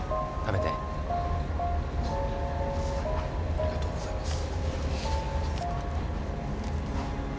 ありがとうございます。